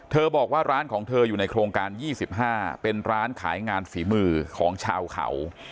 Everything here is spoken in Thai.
บอกว่าร้านของเธออยู่ในโครงการ๒๕เป็นร้านขายงานฝีมือของชาวเขา